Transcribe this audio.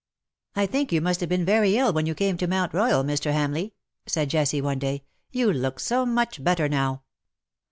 " I think you must have been very ill when you came to Mount Royal, Mr. Hamleigh,^' said Jessie, one day. " You look so much better now.